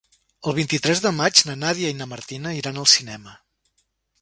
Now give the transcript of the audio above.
El vint-i-tres de maig na Nàdia i na Martina iran al cinema.